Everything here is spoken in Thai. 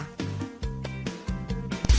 เอาหน่อย